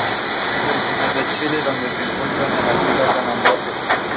It is flanked on both sides by local commercial buildings.